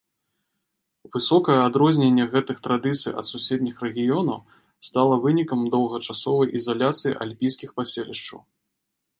Высокае адрозненне гэтых традыцый ад суседніх рэгіёнаў стала вынікам доўгачасовай ізаляцыі альпійскіх паселішчаў.